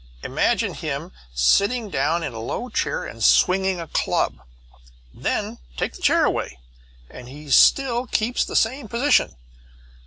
"Imagine him sitting down in a low chair and swinging a club. Then take the chair away and he still keeps the same position.